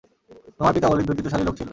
তোমার পিতা ওলীদ ব্যক্তিত্বশালী লোক ছিল।